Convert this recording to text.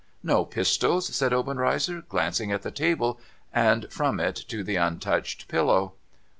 ' No pistols ?' said Obenreizer, glancing at the table, and from it to the untouched pillow.